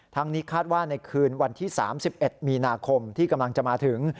นี้คาดว่าในคืนวันที่๓๑มีนาคมที่กำลังจะมาถึง